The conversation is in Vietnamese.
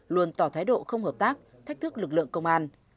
luôn tỏ thái độ không hợp tác thách thức lực lượng công an